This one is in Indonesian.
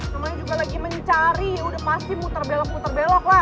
namanya juga lagi mencari udah pasti muter belok muter belok lah